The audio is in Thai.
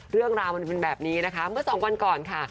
เรื่องราวมันเป็นแบบนี้นะคะเมื่อสองวันก่อนค่ะ